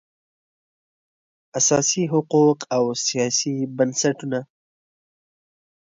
اساسي حقوق او سیاسي بنسټونه